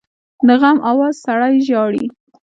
د غم آواز سړی ژاړي